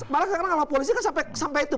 malah sekarang kalau polisi kan sampai itu